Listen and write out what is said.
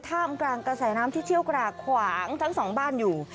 ท่ามกลางกระแสน้ำที่เชี่ยวกรากขวางทั้งสองบ้านอยู่